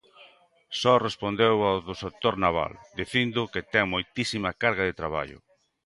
Só respondeu ao do sector naval, dicindo que ten moitísima carga de traballo.